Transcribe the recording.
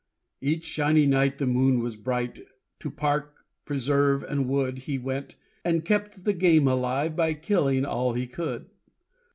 Each "shiny night" the moon was bright, To park, preserve, and wood He went, and kept the game alive, By killing all he could.